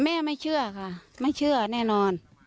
แม่ไม่เชื่อค่ะไม่เชื่อแน่นอน